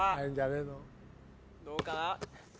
どうかな？